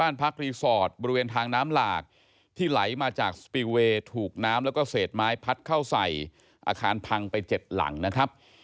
น้ำและเศษไม้พัดเข้าใส่อาคารพังไป๗หลังนะครับ